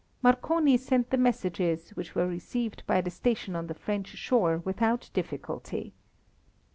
Marconi sent the messages, which were received by the station on the French shore without difficulty.